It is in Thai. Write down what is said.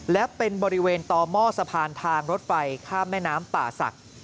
และเป็นบริเวณต่อหม้อสะพานทางรถไฟข้ามแม่น้ำป่าศักดิ์